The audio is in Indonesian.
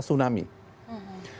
tsunami nya hanya lima belas meter